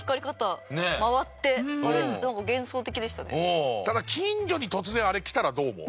ただ近所に突然あれ来たらどう思う？